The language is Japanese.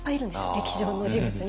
歴史上の人物に。